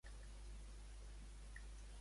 Quines altres feines va desenvolupar Josefina?